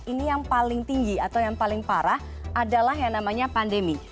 ini yang paling tinggi atau yang paling parah adalah yang namanya pandemi